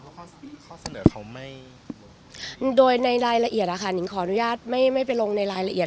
เพราะข้อเสนอเขาไม่โดยในรายละเอียดนะคะนิงขออนุญาตไม่ไปลงในรายละเอียด